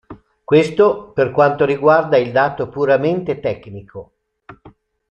Questo per quanto riguarda il dato puramente tecnico.